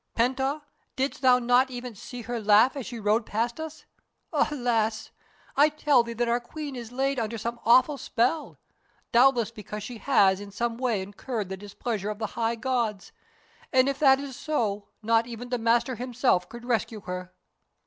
Pent Ah, didst thou not even see her laugh as she rode past us? Alas! I tell thee that our Queen is laid under some awful spell, doubtless because she has in some way incurred the displeasure of the High Gods, and if that is so, not even the Master himself could rescue her.